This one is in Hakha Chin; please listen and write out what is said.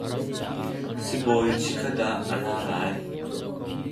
Sibawi chikhat ah a ra lai.